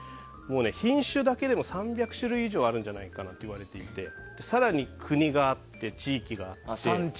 品種だけでも３００種類以上あるんじゃないかと言われていて更に国があって地域があって。